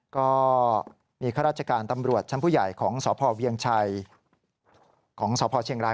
ก็มีข้าราชการตำรวจชั้นผู้ใหญ่ของสพเวียงชัยของสพเชียงราย